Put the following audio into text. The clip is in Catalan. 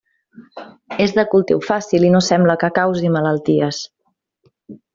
És de cultiu fàcil i no sembla que causi malalties.